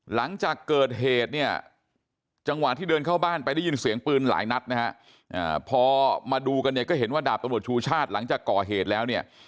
หลังจากเกิดเหตุเนี่ยจังหวะที่เดินเข้าบ้านไปได้ยินเสียงปืนหลายนัดนะฮะพอมาดูกันเนี่ยก็เห็นว่าดาบตำรวจชูชาติหลังจากก่อเหตุแล้วเนี่ย